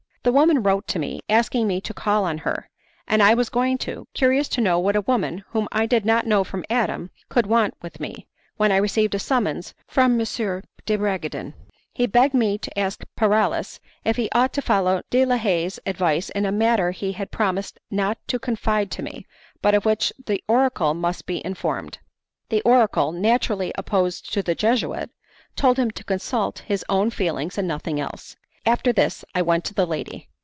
The woman wrote to me, asking me to call on her; and I was going to, curious to know what a woman, whom I did not know from Adam, could want with me, when I received a summons from M. de Bragadin. He begged me to ask Paralis if he ought to follow De la Haye's advice in a matter he had promised not to confide to me, but of which the oracle must be informed. The oracle, naturally opposed to the Jesuit, told him to consult his own feelings and nothing else. After this I went to the lady.